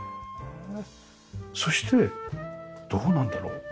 そしてどうなんだろう。